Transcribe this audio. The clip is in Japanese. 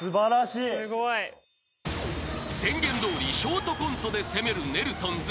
［宣言どおりショートコントで攻めるネルソンズ］